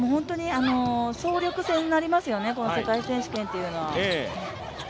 総力戦になりますよね、世界選手権というのは。